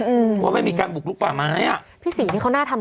อืมว่าไม่มีการบุกลุกป่าไม้อ่ะพี่ศรีนี่เขาน่าทำ